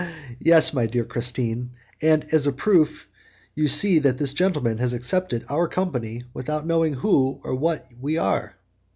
"Yes, my dear Christine, and as a proof you see that this gentleman has accepted our company without knowing who or what we are."